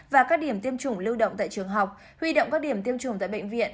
và các điểm tiêm chủng lưu động tại trường học huy động các điểm tiêm chủng tại bệnh viện